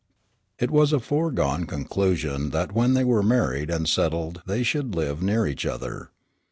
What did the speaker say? It was a foregone conclusion that when they were married and settled they should live near each other.